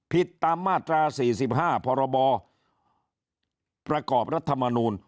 ผิดตามมาตรา๔๕พรบประกอบรัฐมนูล